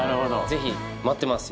ぜひ待ってます。